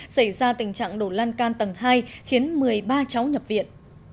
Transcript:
xảy ra tình trạng đổ lan can tầng hai khiến một mươi ba cháu nhập viện